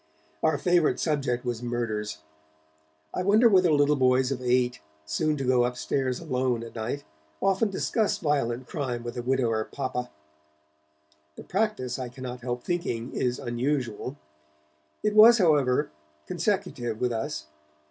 Our favourite subject was murders. I wonder whether little boys of eight, soon to go upstairs alone at night, often discuss violent crime with a widower papa? The practice, I cannot help thinking, is unusual; it was, however, consecutive with us.